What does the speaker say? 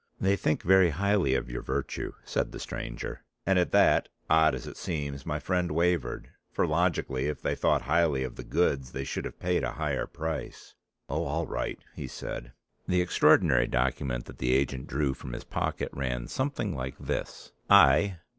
"They think very highly of your virtue," I said the stranger. And at that, odd as it seems, my friend wavered, for logically if they thought highly of the goods they should have paid a higher price. "O all right," he said. The extraordinary document that the agent drew from his pocket ran something like this: "I